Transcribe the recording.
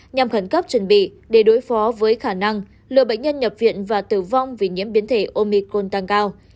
nhằm khẩn cấp chuẩn bị để đối phó với khả năng lừa bệnh nhân nhập viện và tử vong vì nhiễm biến thể omicon tăng cao